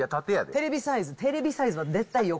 テレビサイズ、テレビサイズは絶対横！